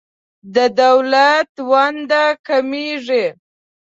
د دولت ونډه کمیږي.